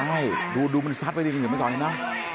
ใช่ดูมันซัดไปดึงไปต่อหนึ่งนะ